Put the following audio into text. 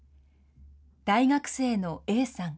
大学生のＡさん。